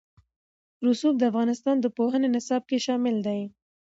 رسوب د افغانستان د پوهنې نصاب کې شامل دي.